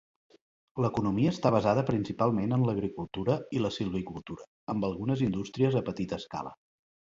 L'economia està basada principalment en l'agricultura i la silvicultura, amb algunes indústries a petita escala.